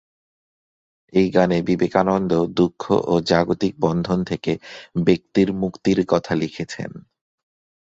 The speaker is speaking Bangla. এই গানে বিবেকানন্দ দুঃখ ও জাগতিক বন্ধন থেকে ব্যক্তির মুক্তির কথা লিখেছেন।